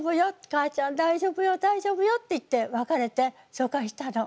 母ちゃん大丈夫よ大丈夫よって言って別れて疎開したの。